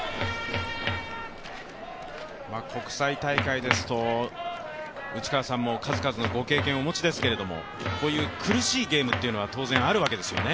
国際大会ですと内川さんも数々のご経験をお持ちですけどこういう苦しいゲームというのは当然あるわけですね。